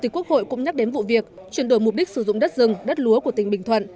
tịch quốc hội cũng nhắc đến vụ việc chuyển đổi mục đích sử dụng đất rừng đất lúa của tỉnh bình thuận